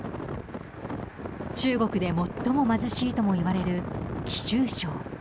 中国で最も貧しいともいわれる貴州省。